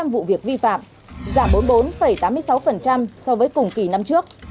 ba tám trăm linh vụ việc vi phạm giảm bốn mươi bốn tám mươi sáu so với cùng kỳ năm trước